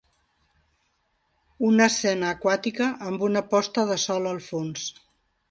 Una escena aquàtica amb una posta de sol al fons.